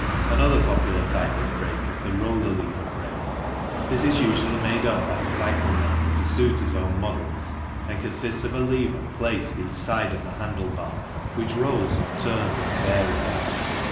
Another popular type of brake is the roller lever brake. This is usually made up by the cycle maker to suit his own models and consists of a lever placed each side of the handle bar which rolls or turns in a bearing.